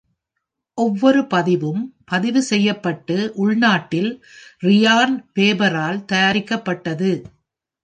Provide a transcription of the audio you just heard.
ஒவ்வொரு பதிவும் பதிவு செய்யப்பட்டு உள்நாட்டில் ரியான் வெபரால் தயாரிக்கப்பட்டது.